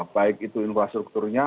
baik itu infrastrukturnya